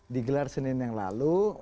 digelar senin yang lalu